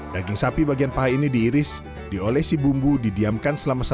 daging sapi bagian paha ini diiris diolesi bumbu didiamkan selama satu jam